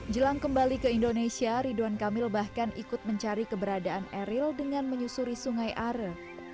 jelang kembali ke indonesia ridwan kamil bahkan ikut mencari keberadaan eril dengan menyusuri sungai are